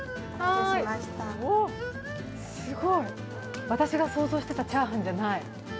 すごい、私が想像してたチャーハンじゃない。